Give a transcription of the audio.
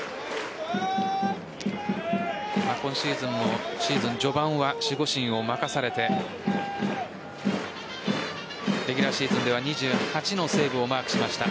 今シーズンもシーズン序盤は守護神を任されてレギュラーシーズンでは２８のセーブをマークしました。